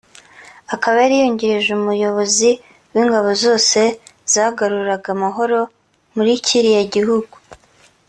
akaba yari yungirije umuyobozi w’ingabo zose zagaruraga amahoro muri kiriya gihugu